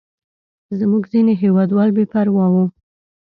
زموږ ځینې هېوادوال بې پروا وو.